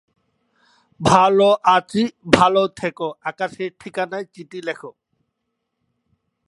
তিনি শিষ্য।